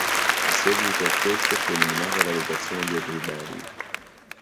In seguito a queste fu eliminata la redazione del Ribelle.